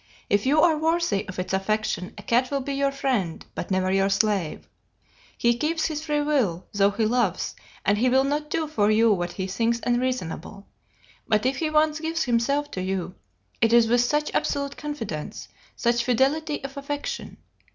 If you are worthy of its affection, a cat will be your friend, but never your slave. He keeps his free will, though he loves, and he will not do for you what he thinks unreasonable; but if he once gives himself to you, it is with such absolute confidence, such fidelity of affection.